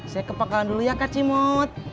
saya kepekaan dulu ya kak cimot